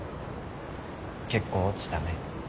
結構落ちたね。